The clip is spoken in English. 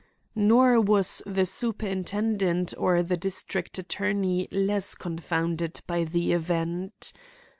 Nor was the superintendent or the district attorney less confounded by the event.